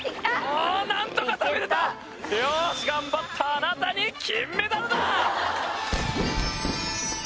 ああ何とか食べれたよし頑張ったあなたに金メダルだ！